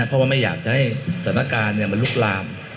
เพราะว่าไม่อยากจะให้ศาลการณ์เนี่ยมาลุกลาม